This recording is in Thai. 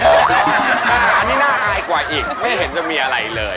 อันนี้น่าอายกว่าอีกไม่เห็นจะมีอะไรเลย